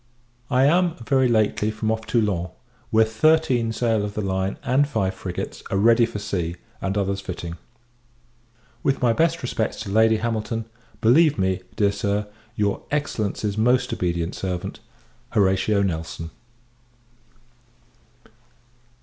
I am, very lately, from off Toulon; where thirteen sail of the line, and five frigates, are ready for sea, and others fitting. With my best respects to Lady Hamilton, believe me, dear Sir, your Excellency's most obedient servant, HORATIO NELSON.